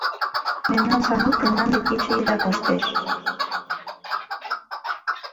Мемнан Сану тендан дек кече еда коштеш...